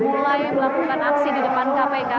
mulai melakukan aksi di depan kpk